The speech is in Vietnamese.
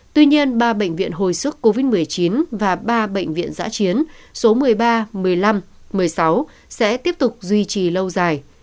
tuy nhiên ba bệnh viện hồi sức covid một mươi chín và ba bệnh viện giã chiến số một mươi ba một mươi năm một mươi sáu sẽ tiếp tục duy trì lâu dài